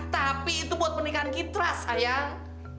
tapi itu buat penikahan kitra sayang